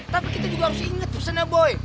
tapi kita juga harus ingat pesannya boy